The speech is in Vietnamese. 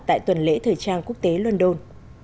tại tuần lễ thời trang quốc tế london